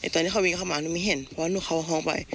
ตอนนี้เขาวิ่งเข้ามาไม่เห็นเพราะว่าลูกเข้าห้องไป